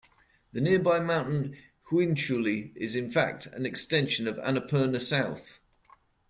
The nearby mountain Hiunchuli is in fact an extension of Annapurna South.